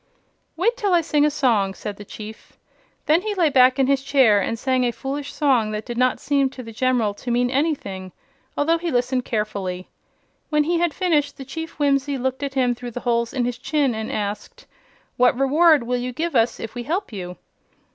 "Wait till I sing a song," said the Chief. Then he lay back in his chair and sang a foolish song that did not seem to the General to mean anything, although he listened carefully. When he had finished, the Chief Whimsie looked at him through the holes in his chin and asked: "What reward will you give us if we help you?"